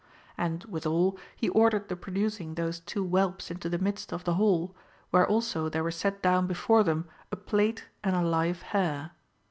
And, withal, he ordered the producing those two whelps into the midst of the hall, where also there were set down before them a plate and a live hare.